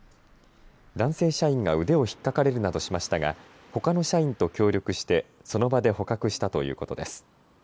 男性社員が腕をひっかかれるなどしましたが、ほかの社員と協力してその場で捕獲したということです。